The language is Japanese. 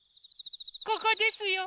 ここですよ。